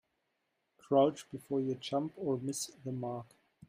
Crouch before you jump or miss the mark.